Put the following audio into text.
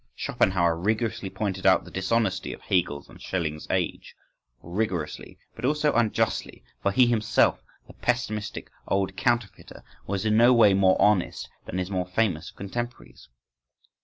Schopenhauer rigorously pointed out the dishonesty of Hegel's and Schelling's age,—rigorously, but also unjustly, for he himself, the pessimistic old counterfeiter, was in no way more "honest" than his more famous contemporaries.